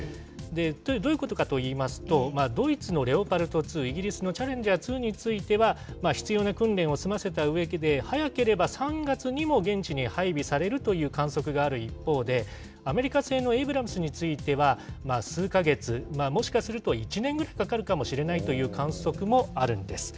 例えば、どういうことかといいますと、ドイツのレオパルト２、イギリスのチャレンジャー２については、必要な訓練を済ませたうえで、早ければ３月にも現地に配備されるという観測がある一方で、アメリカ製のエイブラムスについては、数か月、もしかすると１年ぐらいかかるかもしれないという観測もあるんです。